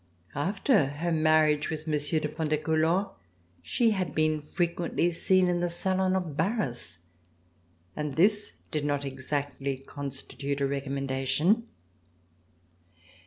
After her marriage with Monsieur de Pontecoulant, she had been frequently seen In the salon of Barras and this did not exactly constitute a recommendation.